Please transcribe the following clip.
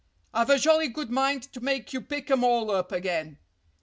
I've a jolly good mind to make you pick 'em all up again.